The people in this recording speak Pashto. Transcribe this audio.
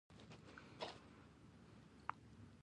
د درملنې لپاره څه شی اړین دی؟